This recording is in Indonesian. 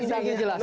ini jangin jelas